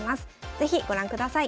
是非ご覧ください。